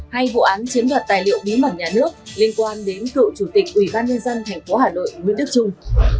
hay vụ án chiếm đoạt tài liệu bí mật nhà nước liên quan đến cựu chủ tịch ủy ban nhân dân tp hà nội nguyễn đức trung